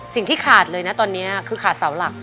ขาดเลยนะตอนนี้คือขาดเสาหลัก